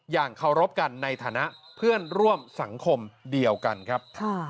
เคารพกันในฐานะเพื่อนร่วมสังคมเดียวกันครับ